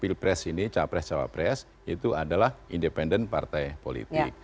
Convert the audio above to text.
pilpres ini capres cawapres itu adalah independen partai politik